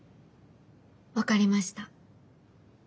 分かりました。